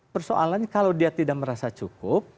persoalannya kalau dia tidak merasa cukup